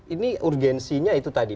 ini urgensinya itu tadi